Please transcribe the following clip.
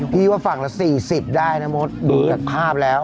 พี่ว่าฝั่งละ๔๐ได้นะมดดูจากภาพแล้ว